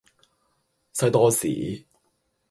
西多士